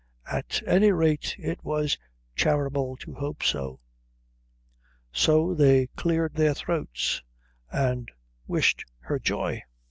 At any rate it was charitable to hope so. So they cleared their throats and wished her joy.